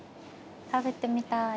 食べてみたい。